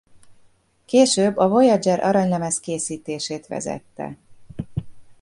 Később a Voyager Aranylemez készítését vezette.